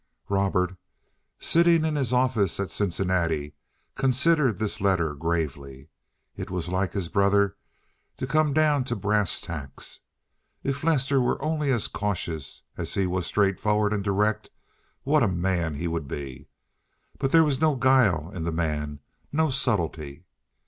Robert, sitting in his office at Cincinnati, considered this letter gravely. It was like his brother to come down to "brass tacks." If Lester were only as cautious as he was straightforward and direct, what a man he would be! But there was no guile in the man—no subtlety.